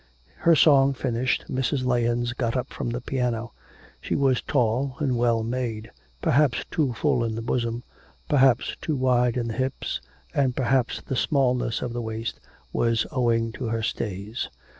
Her song finished, Mrs. Lahens got up from the piano. She was tall and well made; perhaps too full in the bosom, perhaps too wide in the hips, and perhaps the smallness of the waist was owing to her stays.